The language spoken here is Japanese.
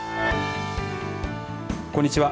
こんにちは。